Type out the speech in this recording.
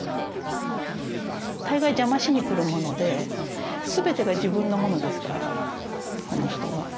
大概邪魔しに来るもので全てが自分のものですからこの人は。